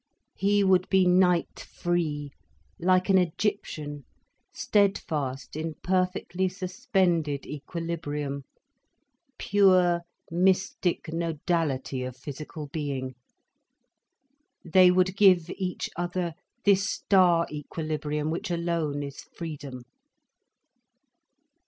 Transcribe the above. He would be night free, like an Egyptian, steadfast in perfectly suspended equilibrium, pure mystic nodality of physical being. They would give each other this star equilibrium which alone is freedom.